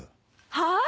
はあ？